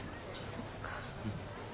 そっか。